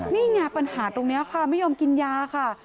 นี่ไงปัญหาตรงนี้ค่ะไม่ยอมกินยาค่ะ